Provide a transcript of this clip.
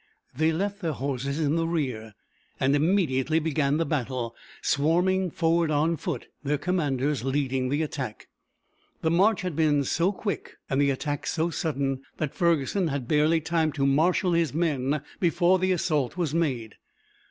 They left their horses in the rear and immediately began the battle, swarming forward on foot, their commanders leading the attack. The march had been so quick and the attack so sudden that Ferguson had barely time to marshal his men before the assault was made.